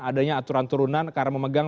adanya aturan turunan karena memegang